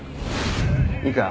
いいか？